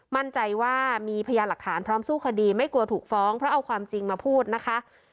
มั่นใจว่ามีพยานหลักฐานพร้อมสู้คดีไม่กลัวถูกฟ้องเพราะเอาความจริงมาพูดนะคะ